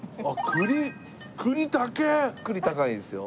栗高いですよ。